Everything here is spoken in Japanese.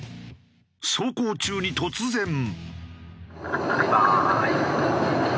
走行中に突然。